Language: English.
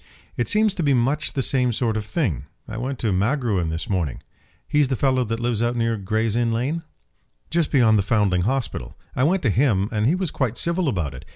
"It seems to be much the same sort of thing. I went to Magruin this morning." "He's the fellow that lives out near Gray's Inn Lane?" "Just beyond the Foundling Hospital. I went to him, and he was quite civil about it.